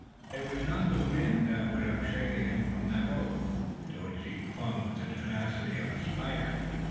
It was not the wind that would have shaken him from that rope, to which he clung with the tenacity of a spider.